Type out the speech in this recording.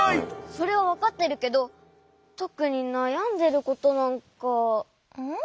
それはわかってるけどとくになやんでることなんか。